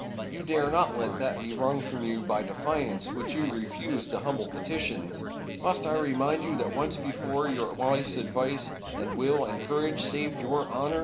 You dare not let that be wrung from you by defiance which you refused to hum ble petitions! Must I remind you that once before your wife's advice, and will, and courage, saved your honor?